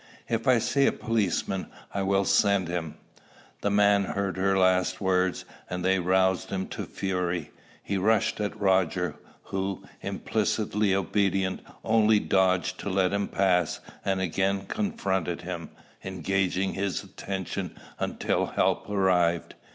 If I see a policeman, I will send him." The man heard her last words, and they roused him to fury. He rushed at Roger, who, implicitly obedient, only dodged to let him pass, and again confronted him, engaging his attention until help arrived.